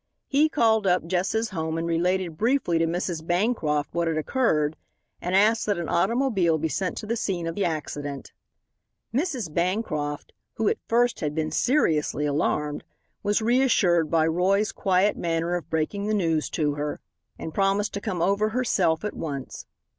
He called up Jess's home and related briefly to Mrs. Bancroft what had occurred, and asked that an automobile be sent to the scene of the accident. Mrs. Bancroft, who at first had been seriously alarmed, was reassured by Roy's quiet manner of breaking the news to her, and promised to come over herself at once.